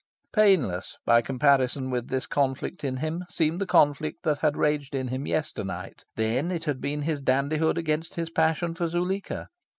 Painless, by comparison with this conflict in him, seemed the conflict that had raged in him yesternight. Then, it had been his dandihood against his passion for Zuleika.